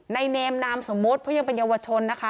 เนมนามสมมุติเพราะยังเป็นเยาวชนนะคะ